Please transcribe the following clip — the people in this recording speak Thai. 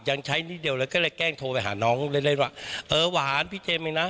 ยังใช้นิดเดียวเลยก็เลยแกล้งโทรไปหาน้องเล่นเล่นว่าเออหวานพี่เจมส์เลยนะ